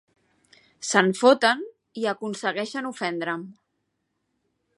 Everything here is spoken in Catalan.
Se'n foten, i aconsegueixen ofendre'm.